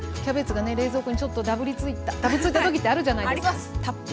キャベツがね冷蔵庫にちょっとだぶついた時ってあるじゃないですか。